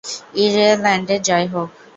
ইরেল্যান্ডের জয় হোক!